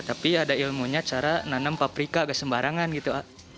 tapi ada ilmunya cara nanam paprika gak sembarangan gitu